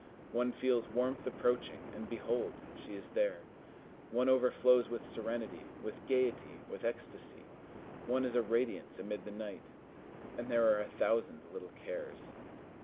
One feels warmth approaching, and behold! she is there. One overflows with serenity, with gayety, with ecstasy; one is a radiance amid the night. And there are a thousand little cares.